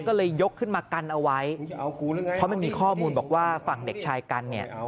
ก็เลยยกขึ้นมากันเอาไว้เพราะมันมีข้อมูลบอกว่าฝั่งเด็กชายกันเนี่ย